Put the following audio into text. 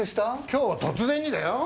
今日突然にだよ？